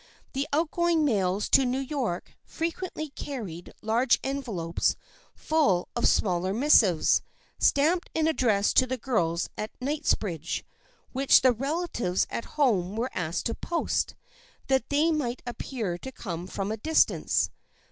The outgoing mails to New York frequently carried large envelopes full of smaller missives, stamped and addressed to the girls at Kingsbridge, which the relatives at home were asked to post, that they might appear to come from a distance.